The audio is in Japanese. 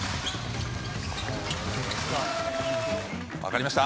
分かりました？